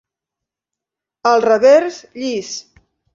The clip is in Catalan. El revers llis.